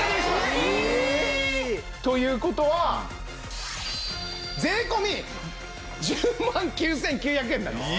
ええ！？という事は税込１０万９９００円になります。